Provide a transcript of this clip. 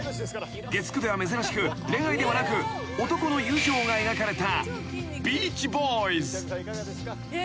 ［月９では珍しく恋愛ではなく男の友情が描かれた『ビーチボーイズ』］